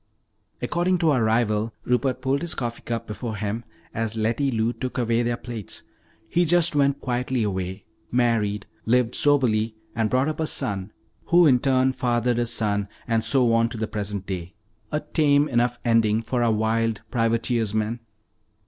"According to our rival," Rupert pulled his coffee cup before him as Letty Lou took away their plates, "he just went quietly away, married, lived soberly, and brought up a son, who in turn fathered a son, and so on to the present day. A tame enough ending for our wild privateersman."